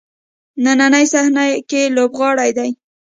نننۍ صحنه کې لوبغاړی دی.